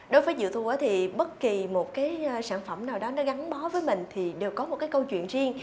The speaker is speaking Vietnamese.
đối với diệu thu thì bất kỳ một cái sản phẩm nào đó nó gắn bó với mình thì đều có một cái câu chuyện riêng